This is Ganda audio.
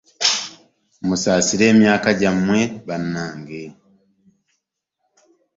Musaasire emyaka gyammwe bannange.